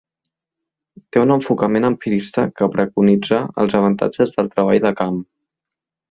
Té un enfocament empirista que preconitza els avantatges del treball de camp.